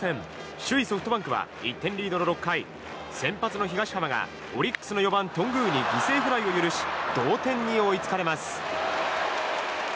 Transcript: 首位ソフトバンクは１点リードの６回先発の東浜がオリックスの４番、頓宮に犠牲フライを許し同点に追いつかれます。